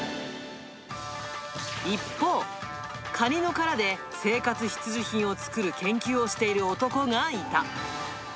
一方、カニの殻で生活必需品を作る研究をしている男がいた。